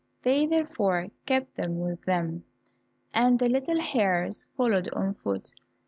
They therefore kept them with them, and the little hares followed on foot.